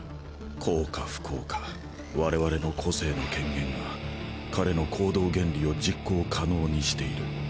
幸か不幸か我々の個性の顕現が彼の行動原理を実行可能にしている。